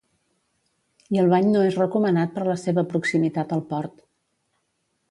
I el bany no és recomanat per la seva proximitat al port.